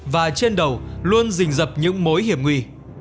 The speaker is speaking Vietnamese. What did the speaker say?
và trên đầu luôn rình rập những mối hiểm nguy